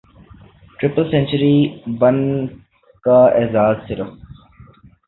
triple century بن کا اعزاز صرف